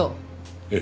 ええ。